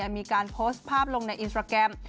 มีการโพสต์ภาพลงในอินสตราแกรม